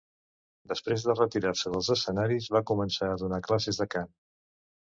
Després de retirar-se dels escenaris va començar a donar classes de cant.